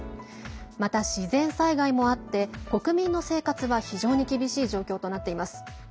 また、自然災害もあって国民の生活は非常に厳しい状況となっています。